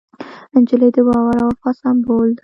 نجلۍ د باور او وفا سمبول ده.